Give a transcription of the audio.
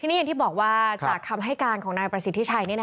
ทีนี้อย่างที่บอกว่าจากคำให้การของนายประสิทธิชัย